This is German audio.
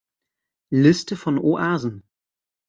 Liste von Oasen